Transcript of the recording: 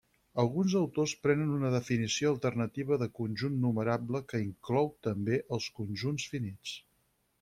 Alguns autors prenen una definició alternativa de conjunt numerable que inclou també els conjunts finits.